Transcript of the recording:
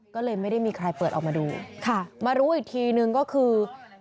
ก็เลยไม่ได้มีใครเปิดออกมาดูค่ะมารู้อีกทีนึงก็คือ